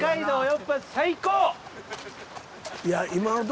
やっぱ最高！